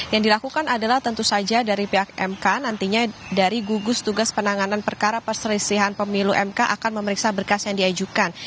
yang dilakukan adalah tentu saja dari pihak mk nantinya dari gugus tugas penanganan perkara perselisihan pemilu mk akan memeriksa berkas yang diajukan